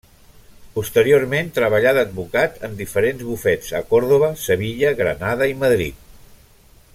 Posteriorment treballà d'advocat en diferents bufets a Còrdova, Sevilla, Granada i Madrid.